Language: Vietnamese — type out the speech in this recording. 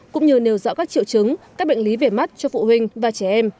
cũng như nêu rõ các triệu chứng các bệnh lý về mắt cho phụ huynh và trẻ em